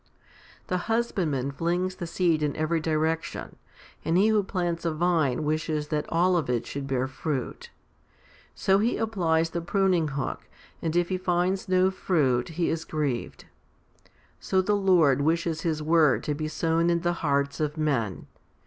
1 ii. The husbandman flings the seed in every direction; and he who plants a vine wishes that all of it should bear fruit. So he applies the pruning hook, and if he finds no fruit, he is grieved. So the Lord wishes His word to be sown in the hearts of men.